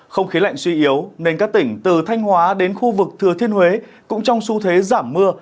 không khí lạnh suy yếu nên các tỉnh từ thanh hóa đến khu vực thừa thiên huế cũng trong xu thế giảm mưa